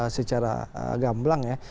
secara gamblang ya